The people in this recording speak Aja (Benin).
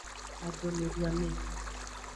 Adomeduame.